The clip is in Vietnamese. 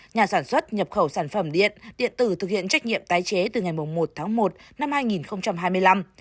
nhà sản xuất nhập khẩu sản phẩm điện điện tử thực hiện trách nhiệm tái chế từ ngày một tháng một năm hai nghìn hai mươi năm